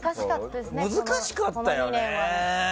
難しかったよね。